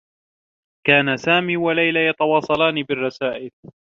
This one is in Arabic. كانا سامي و ليلى يتواصلان بالرّسائل.